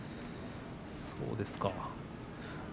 そうですか。